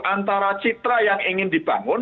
antara citra yang ingin dibangun